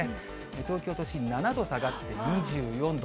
東京都心７度下がって２４度。